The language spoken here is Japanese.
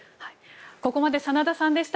ここまで真田さんでした。